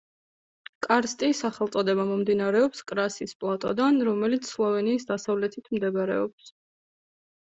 კარსტი სახელწოდება მომდინარეობს კრასის პლატოდან, რომელიც სლოვენიის დასავლეთით მდებარეობს.